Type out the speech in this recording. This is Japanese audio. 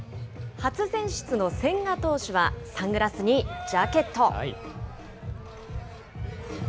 初選出の千賀投手は、サングラスにジャケット。